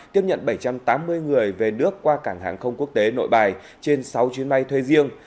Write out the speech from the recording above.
tiếp nhận bảy trăm tám mươi người về nước qua cảng hàng không quốc tế nội bài trên sáu chuyến bay thuê riêng